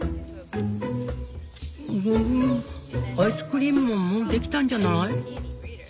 「フグフグアイスクリームももうできたんじゃない？」。